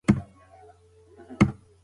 دا باغ به سږکال ډېر زردالو ونیسي.